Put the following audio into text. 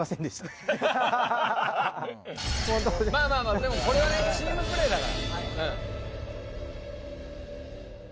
まあまあ、これはチームプレーだから。